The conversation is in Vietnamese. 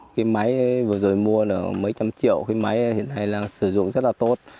cái máy vừa rồi mua là mấy trăm triệu cái máy hiện nay đang sử dụng rất là tốt